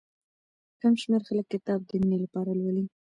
کم شمېر خلک کتاب د مينې لپاره لولي.